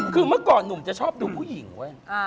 คือเมื่อก่อนหนุ่มจะชอบดูผู้หญิงเว้ย